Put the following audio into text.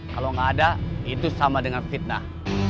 kalau nggak ada itu sama dengan fitnah